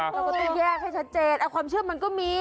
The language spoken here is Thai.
เราก็ต้องแยกให้ชัดเจนความเชื่อมันก็มี